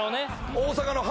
大阪のね